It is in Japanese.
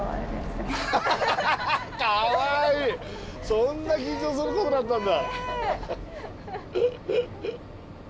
そんな緊張することだったんだ！